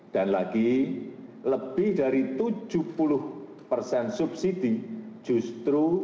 dan lagi lebih dari tujuh puluh persen subsidi justru